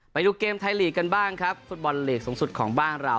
ไปดูเกมไทยลีกกันบ้างครับฟุตบอลลีกสูงสุดของบ้านเรา